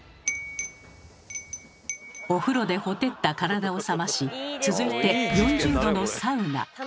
お風呂でほてった体を冷まし続いて４０℃のサウナ。